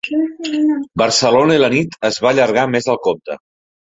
Barcelona i la nit es va allargar més del compte.